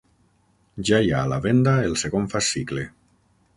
Ja hi ha a la venda el segon fascicle.